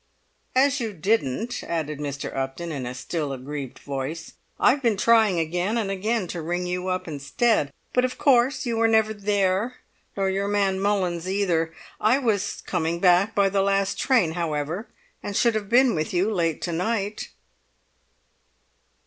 "As you didn't," added Mr. Upton, in a still aggrieved voice, "I've been trying again and again to ring you up instead; but of course you were never there, nor your man Mullins either. I was coming back by the last train, however, and should have been with you late to night."